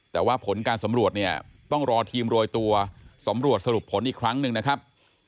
แต่ว่าผลการสำรวจเนี่ยต้องรอทีมโรยตัวสำรวจสรุปผลอีกครั้งหนึ่งนะครับ